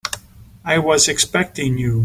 I was expecting you.